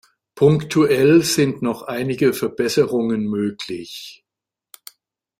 Punktuell sind noch einige Verbesserungen möglich.